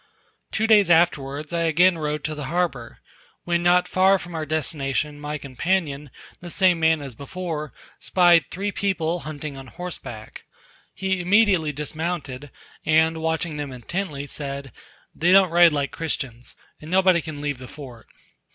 Two days afterwards I again rode to the harbour: when not far from our destination, my companion, the same man as before, spied three people hunting on horseback. He immediately dismounted, and watching them intently, said, "They don't ride like Christians, and nobody can leave the fort."